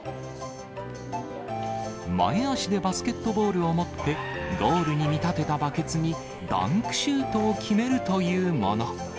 前足でバスケットボールを持って、ゴールに見立てたバケツにダンクシュートを決めるというもの。